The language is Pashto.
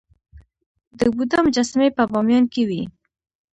د بودا مجسمې په بامیان کې وې